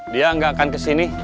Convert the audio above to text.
dia gak akan kesini